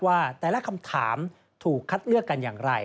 ว่าแต่ละคำถามถูกคัดเลือกกันอย่างไร